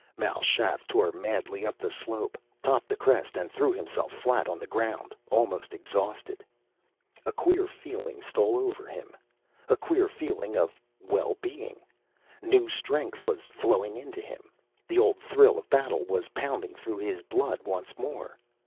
Mal Shaff tore madly up the slope, topped the crest, and threw himself flat on the ground, almost exhausted. A queer feeling stole over him, a queer feeling of well being. New strength was flowing into him, the old thrill of battle was pounding through his blood once more.